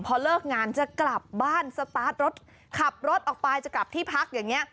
พอเลิกงานจะกลับบ้านสตาร์ทรถขับรถออกไปจะกลับที่พักอย่างนี้